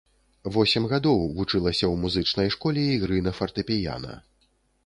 Восем гадоў вучылася ў музычнай школе ігры на фартэпіяна.